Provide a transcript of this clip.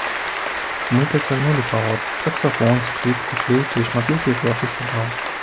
Мы прыцягнулі фагот, саксафон, скрыпку, флейту і шматлікія галасы сяброў.